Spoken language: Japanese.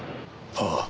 ああ。